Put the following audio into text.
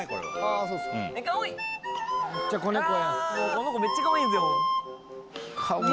この子めっちゃかわいいんすよ。